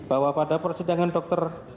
bahwa pada persidangan dokter